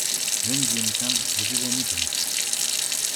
Δε γίνηκαν, γιατί δεν ήταν.